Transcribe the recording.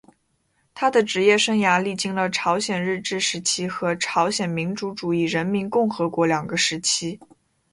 他的职业生涯历经了朝鲜日治时期和朝鲜民主主义人民共和国两个时期。